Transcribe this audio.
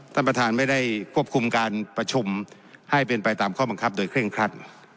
ท่านประธานไม่ได้ควบคุมการประชุมให้เป็นไปตามข้อบังคับโดยเคร่งครัด